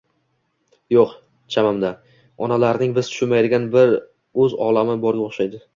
Yo‘q, chamamda, onalarning biz tushunmaydigan o‘z olami borga o‘xshaydi.